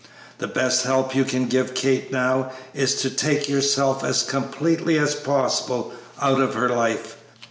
The best help you can give Kate now is to take yourself as completely as possible out of her life.